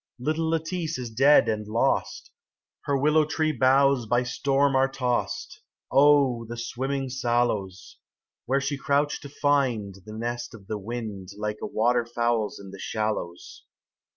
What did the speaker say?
30 Little Lattice is dead and lost 1 Her willow tree boughs by storm are tossed O the swimming sallows !— Where she crouched to find The nest of the wind Like a water fowPs in the shallows.